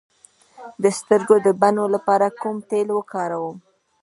د سترګو د بڼو لپاره کوم تېل وکاروم؟